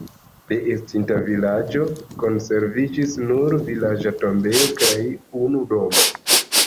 De estinta vilaĝo konserviĝis nur vilaĝa tombejo kaj unu domo.